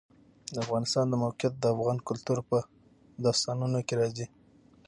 د افغانستان د موقعیت د افغان کلتور په داستانونو کې راځي.